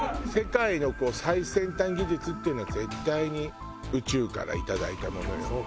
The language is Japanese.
世界の最先端技術っていうのは絶対に宇宙からいただいたものよ。